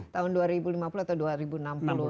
tahun dua ribu lima puluh atau dua ribu enam puluh